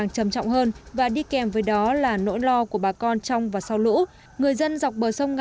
chỉ còn một mươi độ c